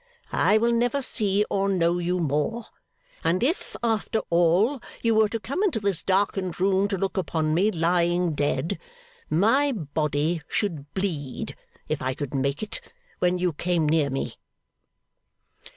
I will never see or know you more. And if, after all, you were to come into this darkened room to look upon me lying dead, my body should bleed, if I could make it, when you came near me.